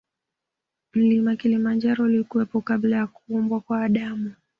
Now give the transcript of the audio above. Mlima kilimanjaro ulikuwepo kabla ya kuumbwa kwa adamu